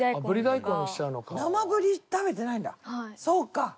そうか。